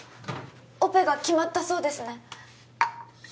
オペが決まったそうですね